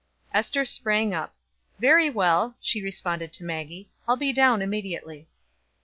Ester sprang up. "Very well," she responded to Maggie. "I'll be down immediately."